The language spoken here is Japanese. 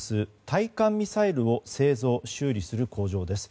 対艦ミサイルを製造・修理する工場です。